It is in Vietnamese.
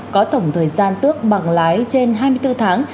có tổng thời gian tước bằng lái trên hai mươi bốn tháng